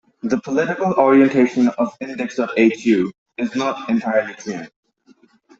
The political orientation of Index.hu is not entirely clear.